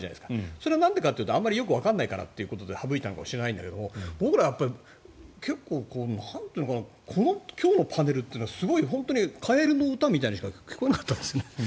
それはなんでというとあまりわからないという理由で省いたのかもしれないけど今日のパネルというのはすごい本当にカエルの歌みたいにしか聞こえなかったんです。